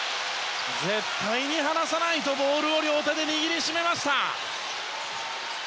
絶対に離さないとボールを両手で握り締めました。